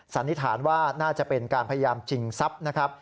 สันนิษฐานว่าน่าจะเป็นการพยายามชิงทรัพย์นะครับ